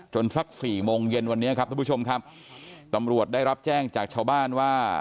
สักสี่โมงเย็นวันนี้ครับทุกผู้ชมครับตำรวจได้รับแจ้งจากชาวบ้านว่า